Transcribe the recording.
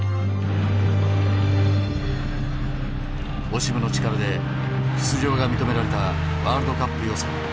オシムの力で出場が認められたワールドカップ予選。